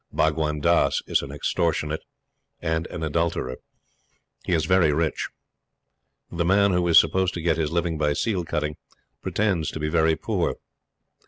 Bhagwan Dass is an extortionate and an adulterator. He is very rich. The man who is supposed to get his living by seal cutting pretends to be very poor.